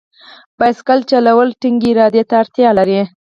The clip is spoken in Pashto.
بایسکل چلول ټینګې ارادې ته اړتیا لري.